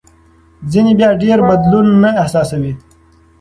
ځینې بیا ډېر بدلون نه احساسوي.